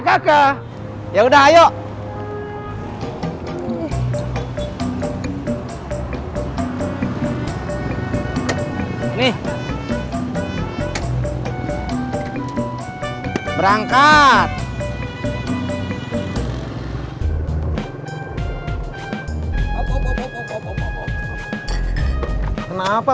kakak ya udah ayo nih berangkat kenapa